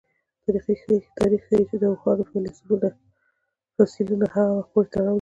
تاریخ ښيي چې د اوښانو فسیلونه هغه وخت پورې تړاو لري.